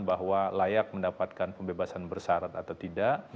bahwa layak mendapatkan pembebasan bersarat atau tidak